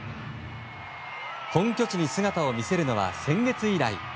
本拠地に姿を見せるのは先月以来。